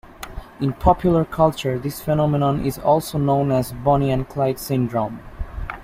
In popular culture, this phenomenon is also known as "Bonnie and Clyde Syndrome".